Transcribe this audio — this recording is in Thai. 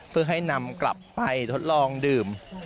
เพื่อให้นำกลับไปทดลองดื่ม